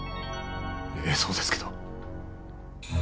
ええそうですけど。